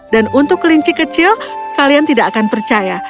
dan untuk kelinci kecil kalian tidak akan percaya